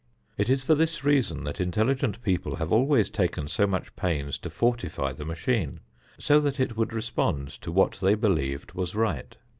It is for this reason that intelligent people have always taken so much pains to fortify the machine, so that it would respond to what they believed was right.